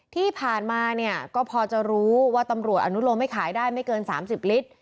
ที่ผ่านมาเนี่ยก็พอจะรู้ว่าตำรวจอนุโลมให้ขายได้ไม่เกิน๓๐ลิตร